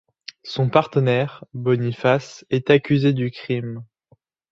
Son partenaire, Boniface, est accusé du crime.